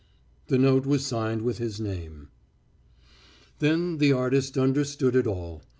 The note was signed with his name. Then the artist understood it all.